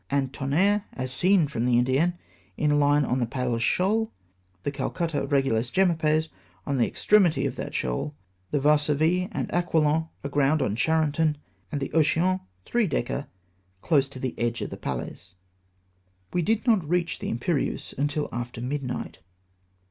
and Tonnerre, as seen from the Indienne, in a line on the Palles Shoal ; the Calcutta, Begulus, Jemappes on the extremity of that shoal ; the Varsovie and Aquilon aground on Charenton ; and the Ocean, three decker, close to the edge of the Palles." We did not reach the Imperieuse tiU after midnight.